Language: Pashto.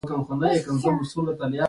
راکټ د استخباراتو برخه هم جوړوي